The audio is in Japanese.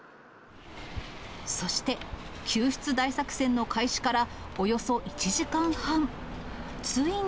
そして、救出大作戦の開始からおよそ１時間半。